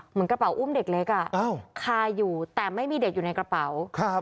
เหมือนกระเป๋าอุ้มเด็กเล็กอ่ะคาอยู่แต่ไม่มีเด็กอยู่ในกระเป๋าครับ